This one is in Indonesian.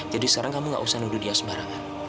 jadi sekarang kamu gak usah nuduh dia sembarangan